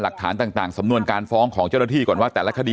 หลักฐานต่างสำนวนการฟ้องของเจ้าหน้าที่ก่อนว่าแต่ละคดี